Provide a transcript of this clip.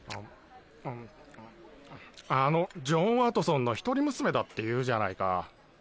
あのジョン・ワトソンの一人娘だっていうじゃないか。